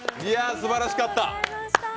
すばらしかった。